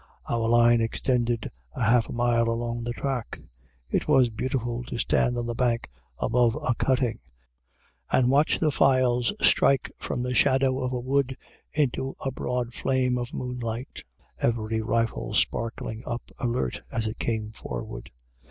Our line extended a half mile along the track. It was beautiful to stand on the bank above a cutting, and watch the files strike from the shadow of a wood into a broad flame of moonlight, every rifle sparkling up alert as it came forward.